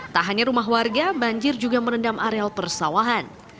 tak hanya rumah warga banjir juga merendam areal persawahan